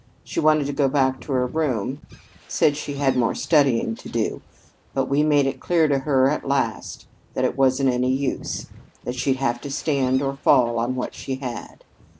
She wanted to go back to her room said she had more studying to do; but we made it clear to her at last that it wasn't any use, that she'd have to stand or fall on what she had.